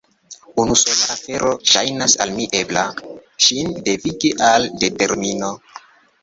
Unu sola afero ŝajnas al mi ebla: ŝin devigi al determino.